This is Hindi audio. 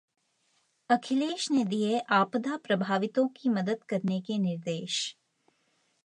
अखिलेश ने दिए आपदा प्रभावितों की मदद करने के निर्देश